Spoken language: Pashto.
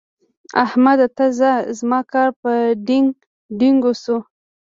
احمده! ته ځه؛ زما کار په ډينګ ډينګو شو.